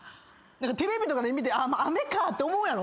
テレビとかで見て雨かって思うやろ？